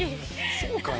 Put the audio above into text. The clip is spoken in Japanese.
そうかな？